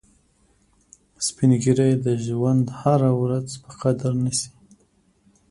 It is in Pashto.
سپین ږیری د ژوند هره ورځ په قدر نیسي